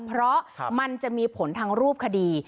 เพราะมันจะมีผลทางรูปคดี